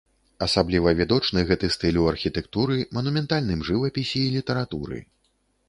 Асабліва відочны гэты стыль у архітэктуры, манументальным жывапісе і літаратуры.